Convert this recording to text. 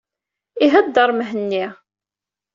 Iheddeṛ Mhenni.